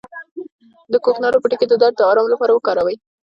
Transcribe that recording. د کوکنارو پوټکی د درد د ارام لپاره وکاروئ